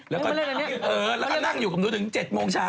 แล้วก็นั่งอยู่ถึง๗ช้า